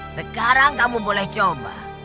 sekarang kamu boleh coba